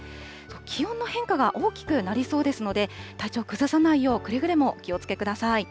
気温の変化が大きくなりそうですので、体調崩さないよう、くれぐれもお気をつけください。